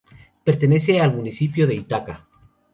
Pertenece al municipio de Ítaca.